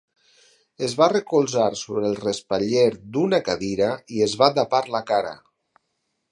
Es va recolzar sobre el respatller d'una cadira i es va tapar la cara.